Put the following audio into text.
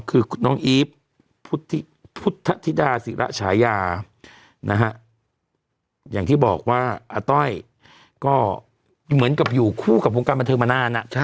คือน้องอีฟพุทธธิดาศิระฉายานะฮะอย่างที่บอกว่าอาต้อยก็เหมือนกับอยู่คู่กับวงการบันเทิงมานาน